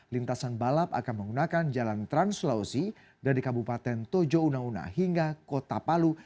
lintasan balap akan menggunakan jalan trans sulawesi dari kabupaten tojo una una hingga kota palu